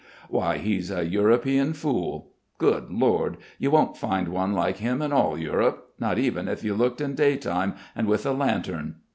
Why he's a European fool. Good Lord, you won't find one like him in all Europe not even if you looked in daytime, and with a lantern.